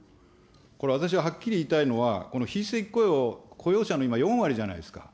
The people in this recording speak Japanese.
これ、私ははっきり言いたいのは、この非正規雇用、雇用者の今、４割じゃないですか。